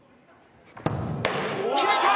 決めた！